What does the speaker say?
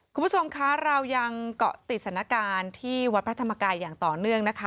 คุณผู้ชมคะเรายังเกาะติดสถานการณ์ที่วัดพระธรรมกายอย่างต่อเนื่องนะคะ